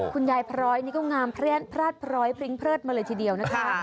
คุณยายพร้อยนี่ก็งามพลาดพร้อยพริ้งเลิศมาเลยทีเดียวนะคะ